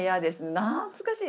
懐かしい。